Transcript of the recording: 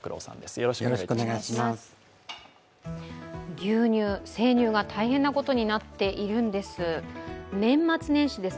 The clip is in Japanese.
牛乳・生乳が大変なことになっているんです。